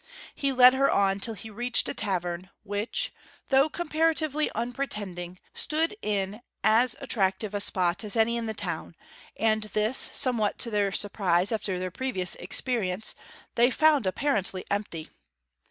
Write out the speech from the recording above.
He led her on till he reached a tavern which, though comparatively unpretending, stood in as attractive a spot as any in the town; and this, somewhat to their surprise after their previous experience, they found apparently empty.